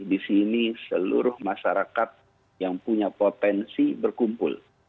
di sini seluruh masyarakat yang punya potensi berkumpul